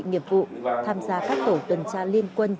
nghiệp vụ tham gia các tổ tuần tra liên quân